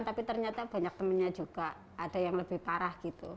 tapi ternyata banyak temennya juga ada yang lebih parah gitu